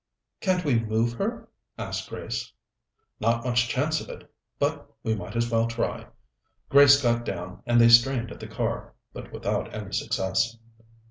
"Can't we move her? asked Grace. "Not much chance of it, but we might as well try." Grace got down, and they strained at the car, but without any success.